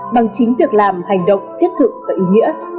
bằng chính việc làm hành động thiết thực và ý nghĩa